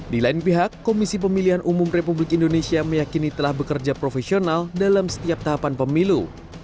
di lain pihak komisi pemilihan umum republik indonesia meyakini telah bekerja profesional dalam setiap tahapan pemilu